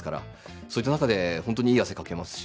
そういった中で本当にいい汗かけますし。